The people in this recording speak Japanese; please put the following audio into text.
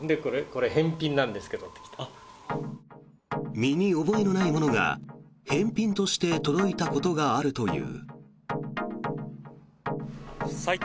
身に覚えのないものが返品として届いたことがあるという。